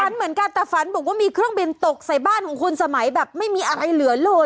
เหมือนกันแต่ฝันบอกว่ามีเครื่องบินตกใส่บ้านของคุณสมัยแบบไม่มีอะไรเหลือเลย